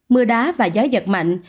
mưa đá và gió giật mạnh